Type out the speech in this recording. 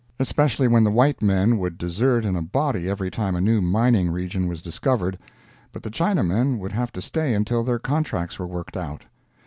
Especially when the white men would desert in a body every time a new mining region was discovered, but the Chinamen would have to stay until their contracts were worked out.